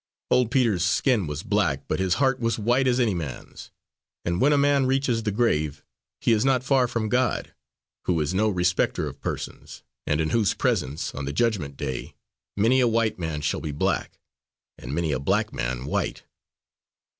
Old Peter's skin was black, but his heart was white as any man's! And when a man reaches the grave, he is not far from God, who is no respecter of persons, and in whose presence, on the judgment day, many a white man shall be black, and many a black man white."